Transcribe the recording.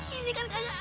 ini kan kagak adik